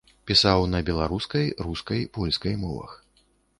Пісаў на беларускай, рускай, польскай мовах.